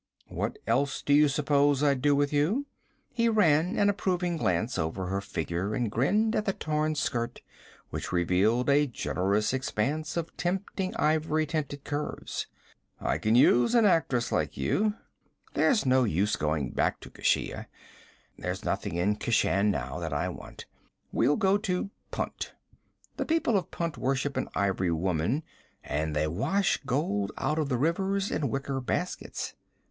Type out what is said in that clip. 'What else do you suppose I'd do with you?' He ran an approving glance over her figure and grinned at the torn skirt which revealed a generous expanse of tempting ivory tinted curves. 'I can use an actress like you. There's no use going back to Keshia. There's nothing in Keshan now that I want. We'll go to Punt. The people of Punt worship an ivory woman, and they wash gold out of the rivers in wicker baskets.